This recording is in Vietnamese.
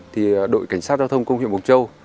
thì đội cảnh sát giao thông công huyện mộc châu